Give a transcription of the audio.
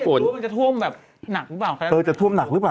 อบ๊วยกินรือว่ามันจะท่วมแบบหนักหรือเปล่า